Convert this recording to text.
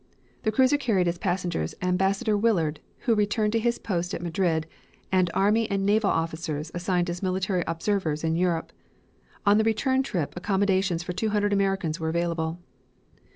The cruiser carried as passengers Ambassador Willard, who returned to his post at Madrid, and army and naval officers assigned as military observers in Europe. On the return trip accommodations for 200 Americans were available.